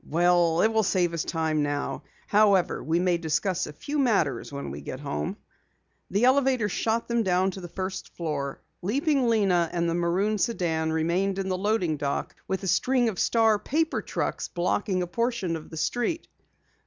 "Well, it will save us time now. However, we may discuss a few matters when we get home." The elevator shot them down to the first floor. Leaping Lena and the maroon sedan remained in the loading dock with a string of Star paper trucks blocking a portion of the street.